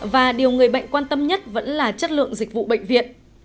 và điều người bệnh quan tâm nhất vẫn là chất lượng dịch vụ bệnh viện